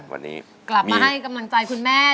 วันนี้กลับมาให้กำลังใจคุณแม่